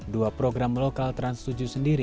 dua program lokal trans tujuh sendiri berhasil masuk nominasi